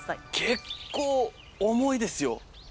結構重いですよ。